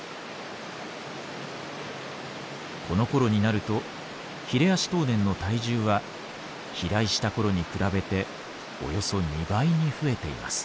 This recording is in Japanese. このころになるとヒレアシトウネンの体重は飛来したころに比べておよそ２倍に増えています。